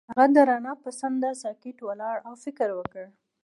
هغه د رڼا پر څنډه ساکت ولاړ او فکر وکړ.